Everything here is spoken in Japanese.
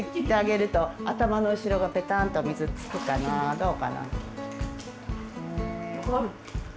どうかな？